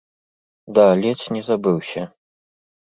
Да, ледзь не забыўся.